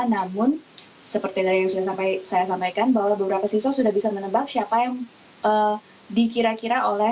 namun seperti dari yang sudah saya sampaikan bahwa beberapa siswa sudah bisa menebak siapa yang dikira kira oleh